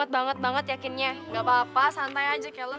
banget banget yakinnya gapapa santai aja keles